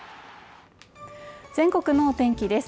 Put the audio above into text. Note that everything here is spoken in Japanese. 全国のお天気です